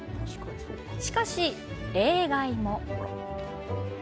しかし、例外も。